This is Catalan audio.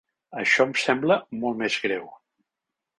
Això em sembla molt més greu.